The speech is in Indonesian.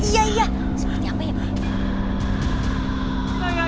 iya iya seperti apa ya pak